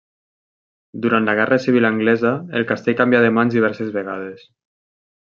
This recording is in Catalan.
Durant la guerra civil anglesa el castell canvià de mans diverses vegades.